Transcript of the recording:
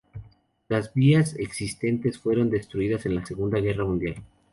Las vías existentes fueron destruidas en la Segunda Guerra Mundial.